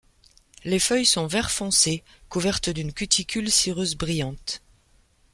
Les feuilles sont vert foncé, couvertes d'une cuticule cireuse brillante.